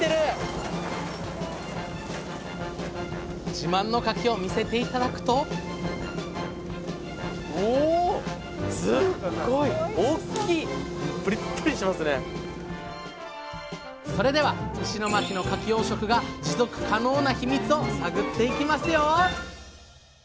自慢のかきを見せて頂くとそれでは石巻のかき養殖が持続可能なヒミツを探っていきますよ！